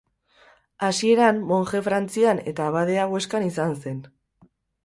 Hasieran monje Frantzian eta abadea Huescan izan zen.